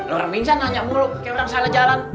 orang pingsan nanya mulu kayak orang salah jalan